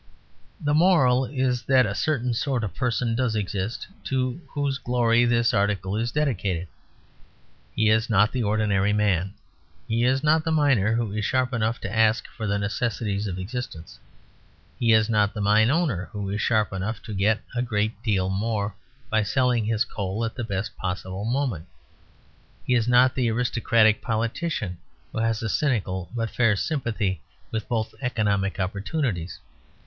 The moral is that a certain sort of person does exist, to whose glory this article is dedicated. He is not the ordinary man. He is not the miner, who is sharp enough to ask for the necessities of existence. He is not the mine owner, who is sharp enough to get a great deal more, by selling his coal at the best possible moment. He is not the aristocratic politician, who has a cynical but a fair sympathy with both economic opportunities.